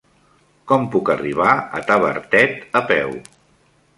Com puc arribar a Tavertet a peu?